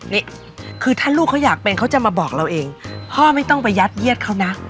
นี่คือถ้าลูกเขาอยากเป็นเขาจะมาบอกเราเองพ่อไม่ต้องไปยัดเยียดเขานะ